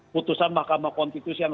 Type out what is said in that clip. putusan mahkamah konstitusi yang